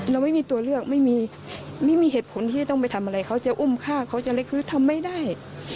เราไม่มีตัวเลือกไม่มีไม่มีเหตุผลที่จะต้องไปทำอะไรเขาจะอุ้มฆ่าเขาจะอะไรคือทำไม่ได้